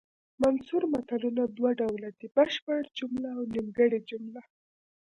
منثور متلونه دوه ډوله دي بشپړه جمله او نیمګړې جمله